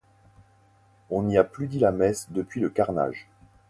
On n'y a plus dit la messe depuis le carnage.